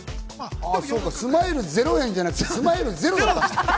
スマイル０円じゃなくて、スマイルゼロ。